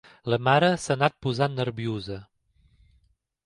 La mare s'ha anat posant nerviosa.